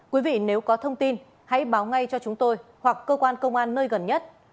quý vị nếu có thông tin hãy báo ngay cho chúng tôi hoặc cơ quan công an nơi gần nhất